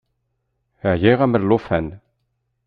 Ɛyiɣ am llufan.